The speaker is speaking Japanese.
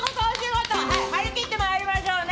はい張り切って参りましょうね。